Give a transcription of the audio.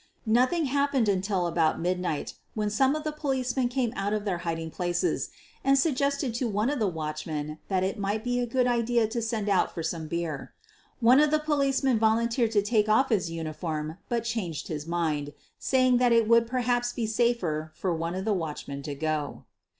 Nothing happened until about midnight, when some of the policemen came out of their hiding places and suggested to one of the watchmen that it might be a good idea to send out for some beer. One of the policemen volunteered to take off his uniform, but changed his mind, saying that it would perhaps be safer for one of the watchmen to go.